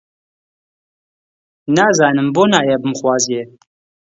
نازانم بۆ نایە بمخوازێ؟